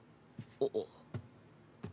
あっ。